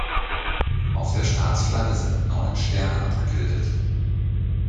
Auf der Staatsflagge sind neun Sterne abgebildet.